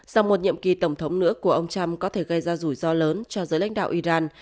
sau một nhiệm kỳ tổng thống nữa của ông trump có thể gây ra rủi ro lớn cho giới lãnh đạo iran